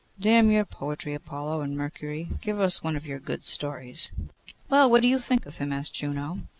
Damn your poetry, Apollo, and, Mercury, give us one of your good stories.' 'Well! what do you think of him?' asked Juno.